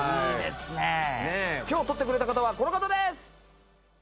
今日撮ってくれた方はこの方です。